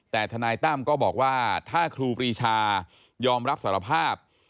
แต่ทนายตั้มก็บอกว่าถ้าครูปรีชายอมรับสารภาพ